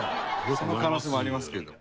その可能性もありますけれども。